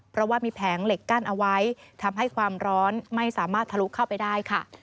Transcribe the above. เพราะว่ามีแผงเหล็กกั้นเอาไว้ทำให้ความร้อนไม่สามารถทะลุเข้าไปได้ค่ะ